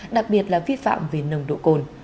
đặc biệt là vi phạm về nồng độ cồn